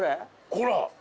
ほら！